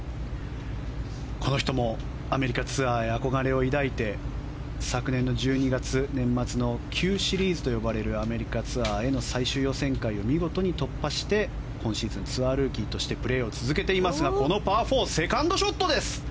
この人もアメリカツアーへ憧れを抱いて昨年の１２月年末のＱシリーズといわれるアメリカツアーへの最終予選会を見事に突破して、今シーズンツアールーキーとしてプレーを続けていますがパー４セカンドショット